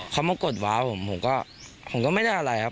เขามากดว้าวผมผมก็ผมก็ไม่ได้อะไรครับ